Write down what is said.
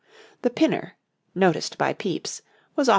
The pinner, noticed by Pepys, was often worn.